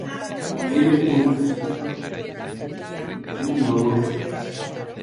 Hamahiru urte zituela egin zuen bere lehen film laburra.